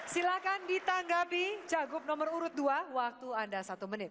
silahkan ditanggapi jagub nomor urut dua waktu anda satu menit